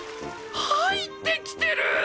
入ってきてるー！！